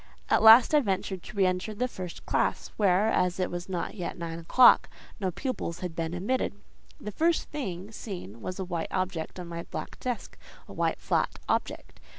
At last I ventured to re enter the first classe, where, as it was not yet nine o'clock, no pupils had been admitted. The first thing seen was a white object on my black desk, a white, flat object.